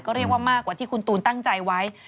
เรียกว่ามากกว่าที่คุณตูนตั้งใจไว้